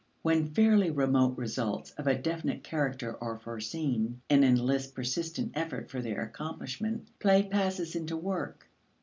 When fairly remote results of a definite character are foreseen and enlist persistent effort for their accomplishment, play passes into work.